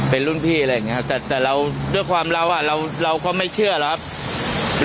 เป็นรุ่นพี่อะไรอย่างเงี้ยแต่แต่เราด้วยความเราอ่ะเราเราก็ไม่เชื่อหรอกครับ